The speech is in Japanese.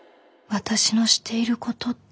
私のしていることって。